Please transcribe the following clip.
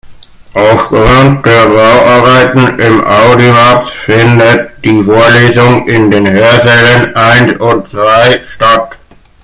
Aufgrund der Bauarbeiten im Audimax findet die Vorlesung in den Hörsälen eins und zwei statt.